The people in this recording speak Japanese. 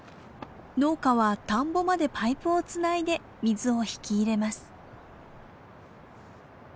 農家は田んぼまでパイプをつないで水を引き入れます。